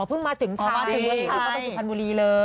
อ๋อเพิ่งมาถึงไทยสุพรรณบุรีเลยอ๋อเพิ่งมาถึงไทยสุพรรณบุรีเลย